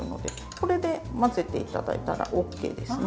これで混ぜて頂いたらＯＫですね。